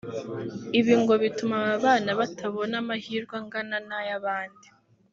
Ibi ngo bituma aba bana batabona amahirwe angana n’aya bandi